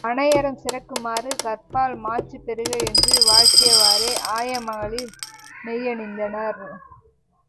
மனையறம் சிறக்குமாறு கற்பால் மாட்சி பெறுக என்று வாழ்த்தியவாறே ஆயமகளிர் நெய்யணிந்தனர்.